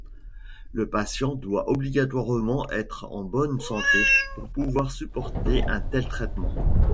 Le patient doit obligatoirement être en bonne santé pour pouvoir supporter un tel traitement.